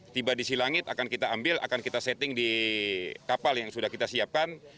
tiba di silangit akan kita ambil akan kita setting di kapal yang sudah kita siapkan